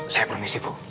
saya permisi bu